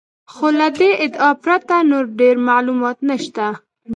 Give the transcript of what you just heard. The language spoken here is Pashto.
خو له دې ادعا پرته نور ډېر معلومات نشته.